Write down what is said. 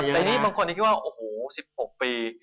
แต่นี่บางคนยังคิดว่าโอ้โห๑๖ปี